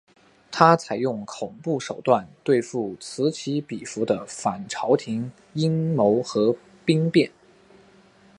他采用恐怖手段对付此起彼伏的反朝廷阴谋和兵变。